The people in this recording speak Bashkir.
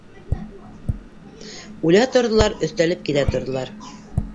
Үлә торҙолар, өҫтәлеп килә торҙолар.